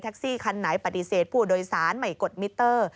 ทักซี่คันไหนปฏิเสธผู้โดยสารใหม่กฎมิตเตอร์